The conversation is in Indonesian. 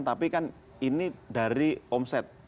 tapi kan ini dari omset